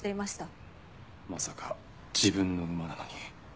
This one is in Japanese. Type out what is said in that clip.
まさか自分の馬なのに。